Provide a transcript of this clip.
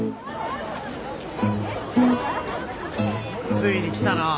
ついに来たなあ。